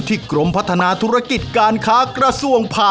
อร่อยเชียบแน่นอนครับอร่อยเชียบแน่นอนครับ